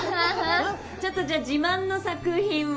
ちょっとじゃあ自慢の作品を。